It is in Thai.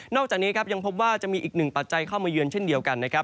อกจากนี้ครับยังพบว่าจะมีอีกหนึ่งปัจจัยเข้ามาเยือนเช่นเดียวกันนะครับ